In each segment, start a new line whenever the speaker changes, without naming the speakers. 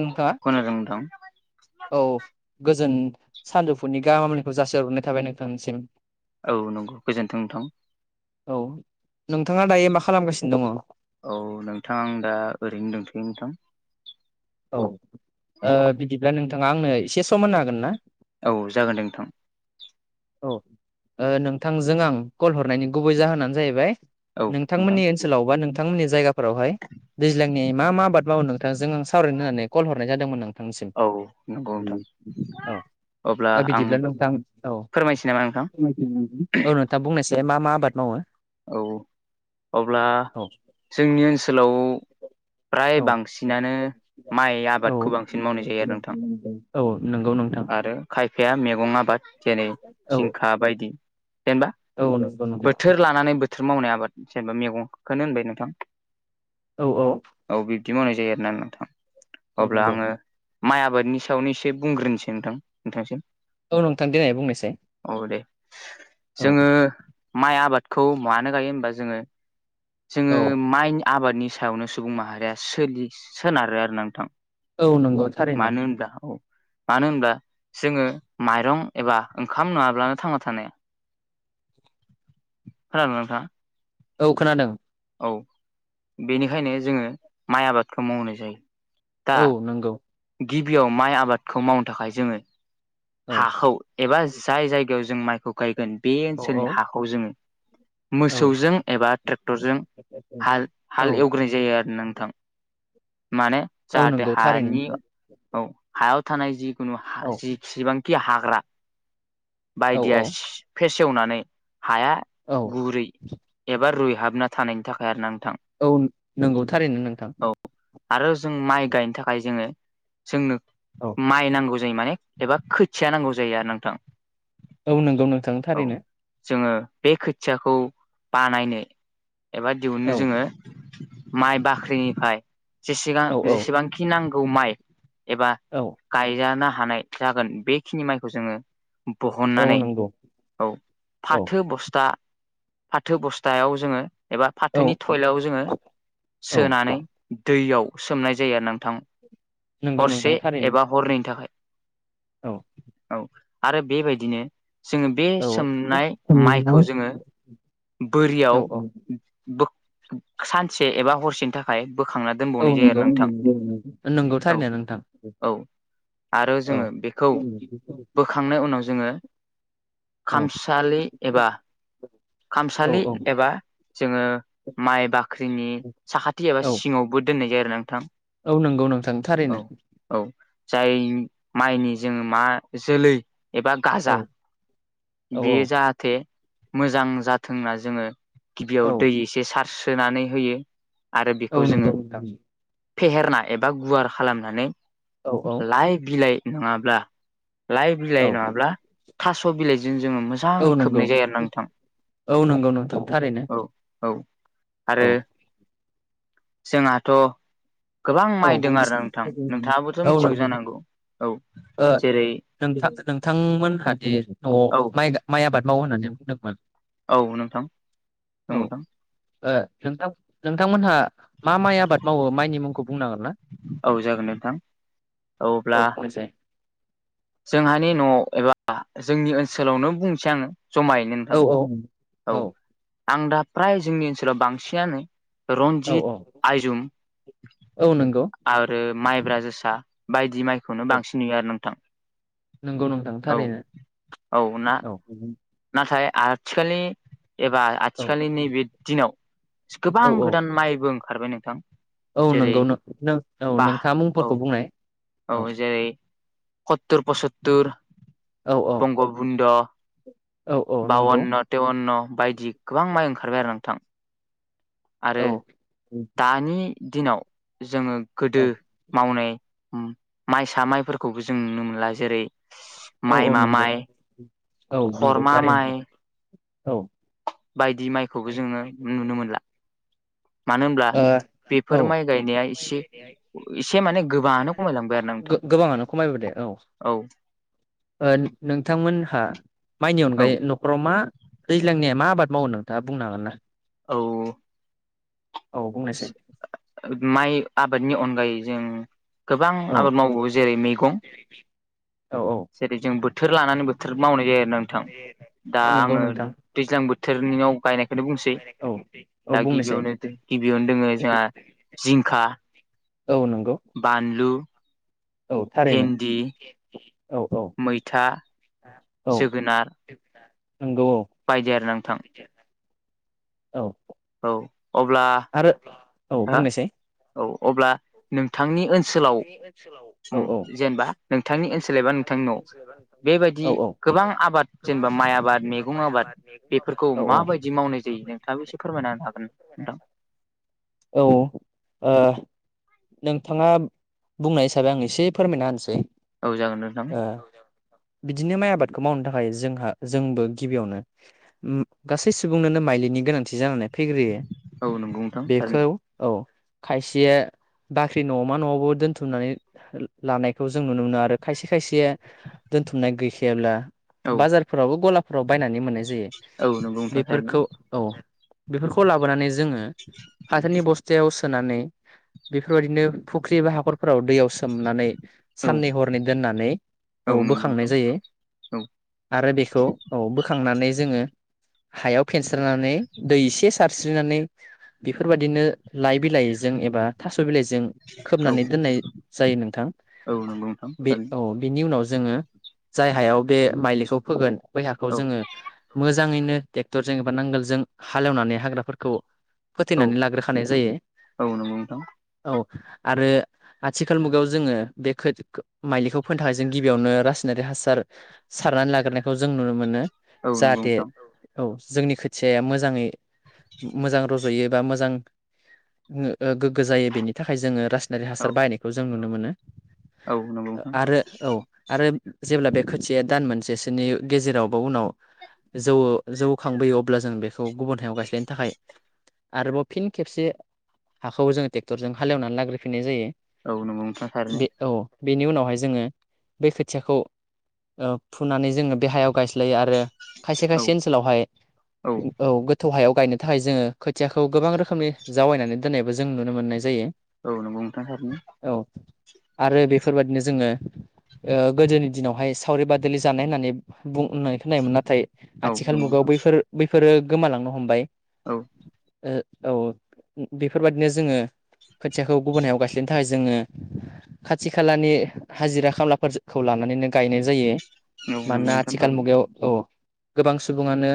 नोंथाङा
खोनादों नोंथां
औ गोजोन सानजौफुनि गाहाम हामलायनायखौ जासिहरग्रोनाय थाबाय नोंथांसिम
औ नंगौ गोजोन्थों नोंथां
औ नोंथाङा दायो मा खालामगासिनो दङ'
औ नोंथां दा ओरैनो दंथ'यो नोंथां
औ बिदिब्ला नोंथाङा आंनो एसे सम' होननो हागोन ना
औ जागोन दे नोंथां
औ नोंथांजों आं कल हरनायनि गुबै जाहोनानो जाहैबाय
औ नोंथां
नोंथांमोननि ओनसोलाव बा नोंथांमोननि जायगाफोरावहाय दैज्लांनि मा मा आबाद मावो नोंथां जों आं सावरायनो होननानै कल हरनाय जादोंमोन नोंथांनिसिम
औ नंगौ नोंथां अब्ला
औ
आं
बिदिब्ला नोंथां औ
फोरमायसै नामा नोंथां
औ नोंथाङा बुंनायसाय मा मा आबाद मावो
औ अब्ला
औ
जोंनि ओनसोलाव फ्राय
औ
बांसिनानो माइ
औ
आबादखौ बांसिन मावनाय जायो आरो नोंथां
औ नंगौ नोंथां
आरो खायफाया मैगं आबाद जेरै
औ
जिंखा बायदि जेनबा
औ नंगौ नोंथां
बोथोर लानानै बोथोर मावनाय आबाद जेनेबा मैगंखौनो होनबाय नोंथां
औ-औ
बिदि मावनाय जायो आरोना नोंथां अब्ला
नंगौ।
आङो माइ आबादनि सायावनो एसे बुंग्रोनोसै नोंथांनिसिम।
औ नोंथां देनाय बुंनायसाय।
दे
औ।
जोङो माइ आबादखौ मानो गायो होमबा जोङो जोङो
औ
माइनि आबादनि सायावनो सुबुं माहारिया सोलियो सोनारो आरो नोंथां।
औ नंगौ थारैनो
मानो होनब्ला मानो होनबब्ला जोङो माइरं एबा ओंखाम नुङाब्लानो थांना थानोहाया खोनादोंना नोंथां।
औ खोनादों
औ बेनिखायनो जोङो माइ आबादखौ मावनाय जायो। दा
औ नंगौ।
गिबियाव माइ आबादखौ मावनो थाखाय जोङो।
औ। औ
हाखौ एबा जाय जायगायाव जों माइखौ गायगोन बे
औ
ओनसोलनि हाखौ जोङो।
औ
मोसौजों एबा ट्रेक्टरजों।
औ
हाल एवग्रानाय जायो आरोना नोंथां। माने
औ
जाहाथे
नंगौ थारैनो।
हानि औ हायाव थानाय जिखुनु
औ
जि सिबांखि हाग्रा
औ औ
बायदिया फेसेवनानै हाया
औ
गुरै एबा रुइहाबना थानायनि थाखाय आरो नोंथां।
औ नंगौ थारैनो नोंथां।
औ आरो जों माइ गायनो थाखाय जोंनो
औ
माइ नांगौ जायो माने एबा खोथिया नांगौ जायो आरो नोंथां।
औ नंगौ नोंथांनो
औ
थारैनो
जोङो बे खोथियाखौ बानायनो एबा
औ
दिहुननो जोङो। माइ बाख्रिनिफ्राय
औ औ
जेसेबांखि नांगौ माइ एबा
औ
गायजानो हानाय जागोन बेखिनि माइखौ जोङो।
औ
बहननानै
नंगौ
औ
औ
फाथो बस्था फाथो बस्थायाव जोङो। एबा
औ
फाथोनि थयलायाव जोङो
औ
सोनानै दैयाव सोमनाय जायो आरो नोंथां
नंगौ नोंथां
हरसे
थारैनो
एबा हरनैनि थाखाय
औ
औ आरो बेबायदिनो जोङो बे
औ
सोमनाय
औ
माइखौ जोङो
औ
बोरियाव सानसे एबा हरसेनि थाखाय बोखांना
औ
दोनबावनाय जायो
नंगौ
आरो नोंथां।
नंगौ
औ
थारैनो नोंथां
औ आरो
औ
जोङो बेखौ बोखांनायनि उनाव जोङो
औ
खामसालि एबा
औ
खामसालि
औ
एबा जोङो माइ बाख्रिनि साखाथि
औ
एबा सिङावबो दोननाय जायो आरो नोंथां।
औ नंगौ नोंथां
औ
थारैनो।
औ जाय माइनि माइ जोलै एबा
औ
गाजा
औ
बियो जाहाथे मोजां जाथों होनना जोङो गिबियाव
औ
दै एसे सार्सोनानै होयो। आरो बेखौ
औ
जोङो
नंगौ नोंथां
फेहेरना एबा गुवार खालामनानै
औ औ
लाइ बिलाइ नङाब्ला लाइ
औ
बिलाइ नङाब्ला थास' बिलाइजों जोङो
औ
मोजाङै
नंगौ
खोबनाय जायो आरो नोंथां।
औ नंगौ नोंथ' थारैनो
औ औ आरो
औ
जोंहाथ' गोबां
औ
माइदोंं आरो नोंथां नोंथाङाबोथ'
औ
मिथिगौ
नंगौ
जानांगौ औ
ओ
जेरै
नोंथांमोनहादि न'आव
औ
माइ माइ आबाद मावो होननानै बुंदोंमोन।
औ नोंथां
औ
।
नोंथां नोंथांमोनहा मा माइ आबाद मावो माइनि मुंखौ बुंनांगोन ना
औ जागोन नोंथां
औ बुंनायसाय
जोंहानि न'आव एबा जोंनि ओनसोलावनो बुंनसै आङो जमायै
औ
नोंथां
औ
औ आं दा फ्राय जोंनि ओनसोलाव बांसिनानो
औ
रनजित
औ
आइजुम
औ नंगौ
आरो माइब्रा जोसा बायदि दि माइखौनो
औ
बांसिन नुयो आरो नोंथां
नंगौ नोंथां
औ
थारैनो औ
नाथाय आथिखालनि एबा
औ
आथिखालनि नैबे दिनाव गोबां
औ औ
गोदान माइबो ओंखारबाय नोंथां
औ
जेरै
नंगौ नों नों औ
बा
नोंथाङा
औ
मुंफोरखौ बुंनाय
औ जेरै हतुर-पस'तुर
औ औ
बंगबुन्द'
औ औ नंगौ
बउन्न' तेवन्न' बायदि गोबां माइ ओंखारबाय आरो नोंथां आरो
औ
दानि दिनाव जोङो
औ
गोदो मावनाय ओ माइसा माइफोरखौबो जों नुनो मोनला जेरै
औ औ
माइमा
नंगौ
माइ
औ नंगौ
खरमा
थारैनो
माइ
औ ओ
बायदि माइखौबो जोङो नुनो मोनला मानो होनब्ला
औ
बेफोर माइ गायनाया एसे एसे माने गोबाङानो खमायलांबाय आरोना नोंथां
गोबाङानो खमायबोदो औ
औ
ओ नोंथांमोनहा माइनि अनगायै नखराव मा दैज्लांनि मा आबाद मावो नोंथाङा बुंनो हागोन ना
औ
औ बुंनायसाय
औ ओ माइ आबादनि अनगायै जों गोबां
औ
आबाद मावो जेरै मैगं
औ औ
जेरै जों बोथोर लानानै बोथोर मावनाय जायो आरोना नोंथां दा
औ नंगौ
आङो
नोंथां
दैज्लां बोथोरनिनाव गायनायखौनो बुंसै
औ औ
दा
बुंनोसै
गिबियावनो गिबियावनो दोङ जोंहा जिंखा
औ नंगौ
बानलु
औ थारैनो
भेन्दि
औ औ
मैथा
औ
जोगोनार
नंगौ औ
बायदि आरोना नोंथां
औ
औ अब्ला
आरो औ
हो
बुंनायसाय
औ अब्ला नों नोंथांनि ओनसोलाव
औ
ओ
औ
जेनेबा नोंथांनि ओनसोल एबा नोंथांनि न' बेबायदि
औ
दि गोबां आबाद जेनेबा माइ आबाद मेगं आबाद बेफोरखौ
औ
माबायदि मावनाय जायो नोंथाङा एसे फोरमायना होनो हागोन नोंथां
औ ओ नोंथाङा बुंनाय हिसाबै आं एसे फोरमायना होनोसै
औ जागोन नोंथां
ओ बिदिनो माइ आबादखौ मावनो थाखाय जोंहा जोंबो गिबियावनो ओ गासै सुबुंनोनो माइलिनि गोनांथि जानानै फैग्रोयो
औ नंगौ नोंथां
बेखौ
थारैनो
औ खायसेया बा ख्रि न'मा न'आवबो दोनथुमनानै लानायखौ जों नुनो मोनो आरो खायसे खायसे सेया दोनथुमनाय गैखायाब्ला
औ
बाजारफोरावबो गलाफोराव बायनानै मोननाय जायो
औ नंगौ नोंथां थारैनो
बेफोरखौ औ बेफोरखौ लाबोनानै जोङो फाथोनि बस्थायाव सोनानै बेफोरबायदिनो फुख्रि एबा हाखर फोराव दैयाव सोमनानै
औ
साननै हरनै दोननानै औ
नंगौ
बोखांनाय
नोंथां
जायो
औ
आरो बेखौ औ बोखांनानै जोङो हायाव फेनस्रानानै दै एसे सार स्रिनानै बेफोरबायाददिनो लाइ बिलाइजों एबा थास'बिलाय जों
औ
खोबनानै दोननाय जायो नोंथां
औ नंगौ नोंथां
औ
थारैनो
बिनि उनाव- जोङो जाय हायाव बे माइलिखौ फोगोन बै हाखौ
औ
जोङो मोजाङैनो ट्रेक्टरजों एबा नांगोलजों हालेवनानै हाग्राफोरखौ
औ
फोथैनानै लाग्रोखानाय जायो
औ नंगौ नोंथां
औ आरो। आथिखाल मुगायाव जोङो बे खो माइलिखौ फोनो थाखाय जों गिबियावनो रासायनारि हासार सारनानै लाग्रोनायखो जों नुनो मोनो
औ नंगौ
जाहाथे
नोंथां
औ। औ जोंनि खोथियाया मोजाङै मोजां रज'यो बा मोजां ओ गोग्गो जायो बेनि थाखाय जोङो रासायनारिक हासार
औ
बायनायखौ जों नुनो मोनो।
औ नंगौ
ओ
नोंथां
आरो औ आरो जेब्ला बे खोथिया दान मोनसेसोनि गेजेरावबा उनाव जौ जौ खांबोयो अब्ला जों बेखौ गुबुन हायाव गायस्लायनो थाखाय आरोबाव फिन खेबसे हाखौबो जोङो ट्रेक्टरजों हालेवनानै लाग्रोफिननाय जायो।
औ नोंगौ नोंथां थारैनो।
बे औ बेनि उनावहाय जोङो बे खोथियाखौ ओ फुनानै जोङो बे हायाव गाय लायो आरो खायसे
औ
खायसे ओनसोलावहाय औ गोथौ हायाव गायनो थाखाय जोङो खोथियाखौ गोबां रोखोमनि जावायनानै दोननायबो जों नुनो मोननाय जायो।
औ नोंगौ नोंथां थारैनो।
औ आरो बेफोरबादिनो जोङो ओ गोदोनि दिनावहाय सावरि बादालि जानाय होननानै बुं होनाय खोनायोमोन नाथाय
औ
आथिखाल
नंगौ
मुगायाव
नोंथां
बैफोर बैफोरो गोमालांनो हमबाय।
औ।
ओ औ बेफोरबायदिनो जोङो खोथियाखौ गुबुन हायाव गायस्लायनो थाखाय जोङो खाथि खालानि हाजिरा खामलाफोरखौ लानानैनो गायनाय जायो।
औ नंगौ
मानना
नोंथां
आथिखाल
थारैनो
मुगायाव औ गोबां सुबुङानो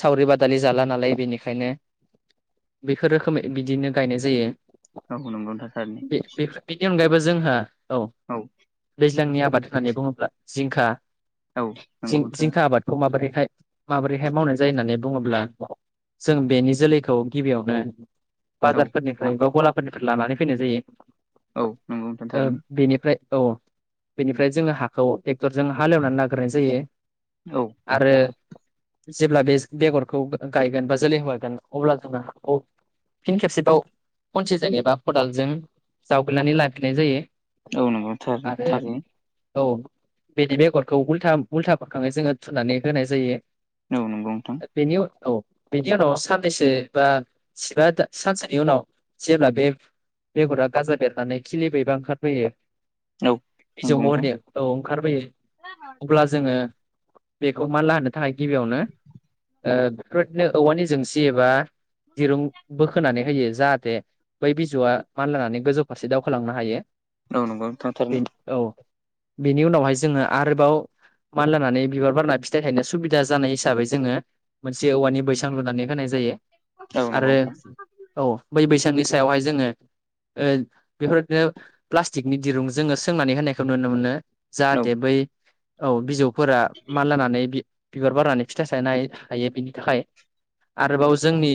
सावरि बादालि जाला नालाय बेनिखायनो बिफोर रोखोमै बिदिनो गायनाय जायो
औ नंगौ नोंथां थारैनो
बि बि बिनि अनगायैबो जों जोंहा
औ।
सिगांनि आबाद होननानै बुङोब्ला जिंखा
औ नंगौ
थिं
नोंथां
जिंखा आबादखौ माबोरै हाय माबोरैहाय मावनाय जायो होननानै बुङोब्ला जों बेनि जोलैखौ गिबियावनो
औ
बाजारफोरनिफ्राय बा गलाफोरनिफ्राय लानानै फैनाय जायो।
औ नोंगौ नोंथां
ओ
थारैनो
बेनिफ्राय औ बिनिफ्राय जोङो हाखौ टरजों हालेवनानै लाग्रोनाय जायो
औ
आरो जेब्ला बेज बेगरखौ गायगोन बा जोलै हरगोन अब्ला जोङो फिन खेबसेबाव खनसेजों एबा खदालजों जावगनानै लाफिनाय जायो
औ नोंगौ थार
आरो
थारैनो
औ बिदि बेगरखौ उल्था उल्थाफोरखाङै जोङो थुनानै होनाय जायो।
औ नंगौ नोंथां
बिनि औ बिनि उनाव साननैसो बा सिबा सानसेनि उनाव जेब्ला बे बेगरा गाजा बेरनानै खिलियोबा ओंखारबोयो।
औ
बिजौ
नंगौ नोंथां
महरनि औ ओंखारबोयो अब्ला जोङो बेखौ मानला होनो थाखाय गिबियावनो ओ बेफोरनो औवानि जोंसि एबा दिरुं बोखोनानै होयो जाहाथे बै बिजौआ मानलायनानै गोजौ फारसे दावखोलांनो हायो।
औ नोंगौ नोंथां थारैनो।
बिनि उनावहाय जोङो आरोबाव मानलानानै बिबार बारना फिथाइ थायनो सुबिदा जानाय हिसाबै जोङो मोनसे औवानि बैसां लुनानै होनाय जायो।
औ नंगौ
आरो
नोंथां
औ बै बैसांनि सायावहाय जोङो ओ बेफोरदिनो प्लास्टिकनि दिरुं जोङो सोंनानै होनायखौ नुनो मोनो।
औ
जाहाथे बै औ बिजौफोरा मानलानानै बिबार बारनानै फिथाय सानो हायो हायो बिनि थाखाय आरोबाव जोंनि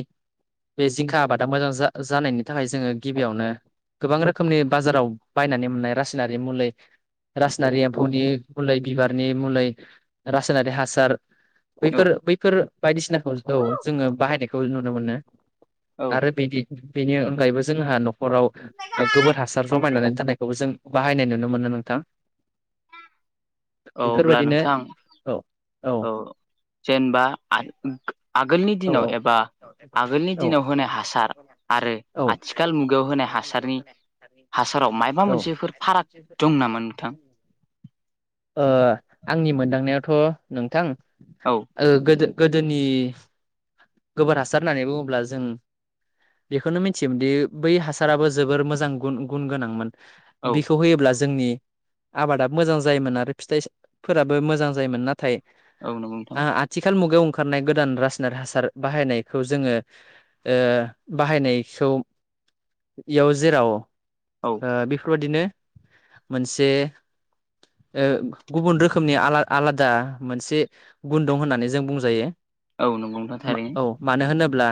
बे जिंखा आबादा मोजां जा जानायनि थाखाय जोङो गिबियावनो गोबां रोखोमनि बाजाराव बायनानै मोननाय रासायनारि मुलि रासायनारि एम्फौनि मलै बिबारनि मलै रासायनारि हासार
औ
बैफोर बैफोर बायदिसिनाखौ औ जोङो बाहायनायखौ नुनो मोनो।
औ
आरो बिदि बेनि अनगायैबो जोंहा न'खराव गोबोर हासार जमायनानै दोननायखौ जों बाहायनाय नुनो मोनो नोंथां
औ अब्ला
बेफोरबायदिनो
नोंथां
औ
औ जेनेबा आगोलनि
औ
दिनाव एबा आगोलनि
औ
दिनाव होनाय हासार आरो
औ
आथिखाल मुगायाव होनाय हासारनि हासाराव मायबा
औ ओ
मोनसेफोर फाराग दं नामा नोंथां
ओ आंनि मोनदांनायावथ' थ' नोंथां
औ
ओ गोदो गोदोनि गोबोर हासार होननानै बुङोब्ला जों बेखौनो मिथियोमोनदि बै हासाराबो जोबोर मोजां गुन गुन गोनांमोन
औ
बेखौ होयोब्ला जोंनि आबादा मोजां जायोमोन आरो फिथाइफोराबो मोजां जायोमोन नाथाय
औ नंगौ नोंथां
आथिखाल मुगायाव ओंखारनाय गोदान राज नारि हासार बाहायनायखौ जोङो ओ बाहायनायखौ इयाव जेराव ओ
औ
बेफोरबादिनो मोनसे ओ गुबुन रोखोमनि आलादा मोनसे गुन दं होननानै जों बुंजायो
औ नंगौ नोंथां थारैनो
औ मानो होनोब्ला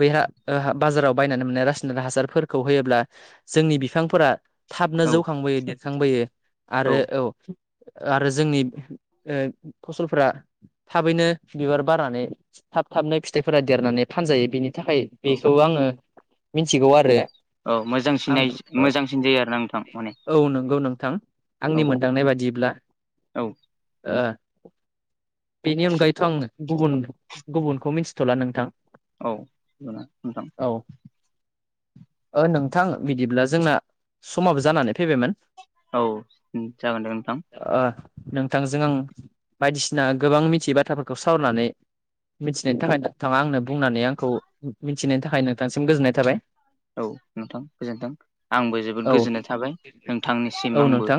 बैहा बाजाराव बायनानै मोननाय रासायनारि हासारफोरखौ होयोब्ला जोंनि बिफांफोरा थाबनो
औ
जौखांबोयो देरखांबोयो आरो औ आरो जोंनि ओ फसलफ्रा थाबैनो बिबार बारनानै थाब थाबनो फिथाइफोरा देरनानै फानजायो बेनि थाखाय
औ
बेखौ आङो मिथिगौ आरो
औ मोजांसिन
आं औ
मोजांसिन जायो आरोना नोंथां माने
औ नंगौ नों थां आंनि
औ
मोनदांनाय बादिब्ला
औ
ओ बेनि अनगायैथ' आं गुबुन गुबुनखौ मिथि थ'ला नोंथां
औ नोंथां।
औ ओ नोंथां बिदिब्ला जोंना समाबो जानानै फैबायमोन।
औ जागोन दे नोंथां
ओ नोंथांजों आं बायदिसिना गोबां मिथियै बाथ्राफोरखौ सावरायनानै मिथिनायनि थाखाय नोंथाङा आंनो बुंनानै आंखौ मिथिनायनि थाखाय नोंथांसिम गोजोननाय थाबाय
औ नोंथां गोजोनथों आंबो जोबोद
औ
गोजोननाय थाबाय
औ
नोंथांनिसिम आंबो
नोंथां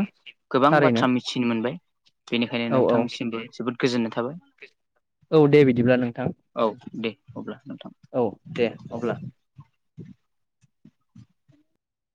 गोबां
थारैनो
बाथ्रा मिथिनो मोनबाय बेनिखायनो नोंथांनिसिमबो जोबोद गोजोननाय थाबाय
गोजो औ दे बिदिब्ला नोंथां
औ दे अब्ला नोंथां
औ दे अब्ला
[inaudible]